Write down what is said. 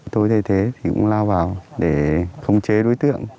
tôi thay thế thì cũng lao vào để khống chế đối tượng